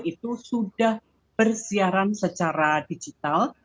itu sudah bersiaran secara digital